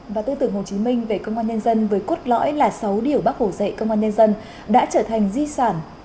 và tư tưởng hồ chí minh về công an nhân dân với cốt lõi là sáu điều bác hổ dạy công an nhân dân đã trở thành di sản